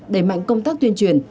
đẩy mạnh công tác tuyên truyền